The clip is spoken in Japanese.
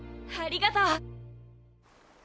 ありがとう！